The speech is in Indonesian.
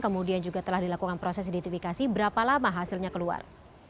kemudian juga telah dilakukan proses identifikasi berapa lama hasilnya keluar